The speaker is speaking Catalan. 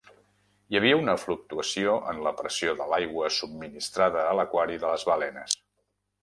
Hi havia una fluctuació en la pressió de l'aigua subministrada a l'aquari de les balenes.